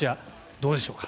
どうでしょうか。